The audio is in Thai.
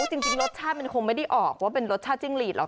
จริงรสชาติมันคงไม่ได้ออกว่าเป็นรสชาติจิ้งหลีดหรอก